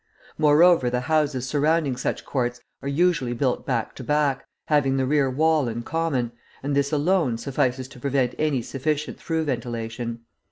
Moreover, the houses surrounding such courts are usually built back to back, having the rear wall in common; and this alone suffices to prevent any sufficient through ventilation.